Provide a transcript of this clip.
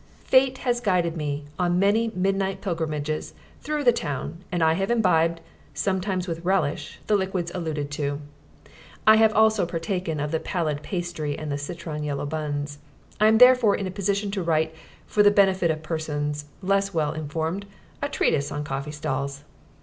Fate has guided me on many midnight pilgrimages through the town, and I have imbibed, sometimes with relish, the liquids alluded to; I have also partaken of the pallid pastry and the citron yellow buns. I am therefore in a position to write, for the benefit of persons less well informed, a treatise on coffee stalls.